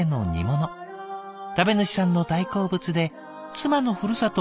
食べ主さんの大好物で妻のふるさと